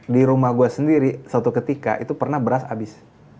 di rumah gue sendiri suatu ketika itu pernah beras habis